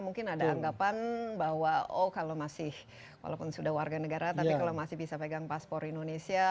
mungkin ada anggapan bahwa oh kalau masih walaupun sudah warga negara tapi kalau masih bisa pegang paspor indonesia